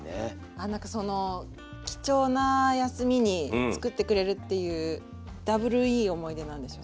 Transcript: あ何かその貴重な休みに作ってくれるっていうダブルいい思い出なんでしょうね。